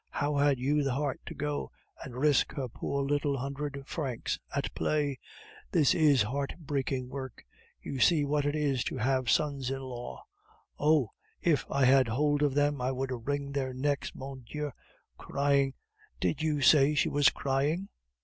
How had you the heart to go and risk her poor little hundred francs at play? This is heart breaking work. You see what it is to have sons in law. Oh! if I had hold of them, I would wring their necks. Mon Dieu! crying! Did you say she was crying?"